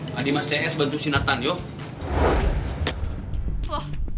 nanti mas cs bantu si nathan yuk